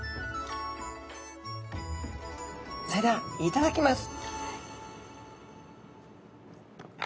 それではいただきます。